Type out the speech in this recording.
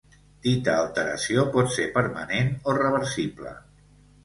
Dita alteració pot ser permanent o reversible.